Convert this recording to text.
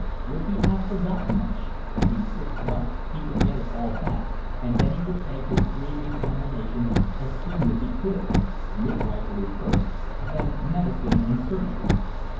Would he have forgotten much? In six months he could get it all back, and then he would take his three examinations as soon as he could, midwifery first, then medicine and surgery.